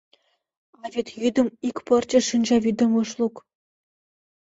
А вет йӱдым ик пырче шинчавӱдым ыш лук.